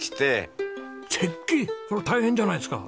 そりゃ大変じゃないですか！